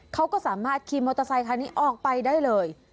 เขาก็สามารถขี่มอเตอร์ไซคันนี้ออกไปได้เลย